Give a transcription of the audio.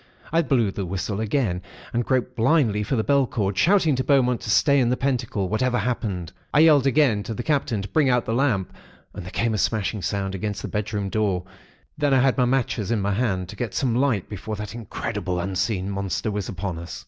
I blew the whistle again, and groped blindly for the bell cord, shouting to Beaumont to stay in the pentacle, whatever happened. I yelled again to the Captain to bring out a lamp, and there came a smashing sound against the bedroom door. Then I had my matches in my hand, to get some light before that incredible, unseen Monster was upon us.